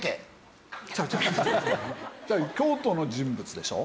京都の人物でしょ？